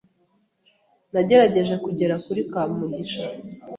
Nagerageje kugera kuri Kamugisha.